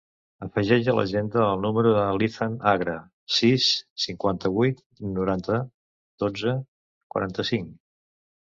Afegeix a l'agenda el número de l'Izan Agra: sis, cinquanta-vuit, noranta, dotze, quaranta-cinc.